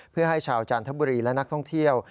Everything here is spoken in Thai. เพื่อให้ชาวจันทบุรีและนักท่องเที่ยว